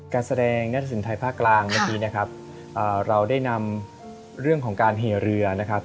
การแสดงนัทสินไทยภาคกลางเมื่อกี้นะครับเราได้นำเรื่องของการเหเรือนะครับ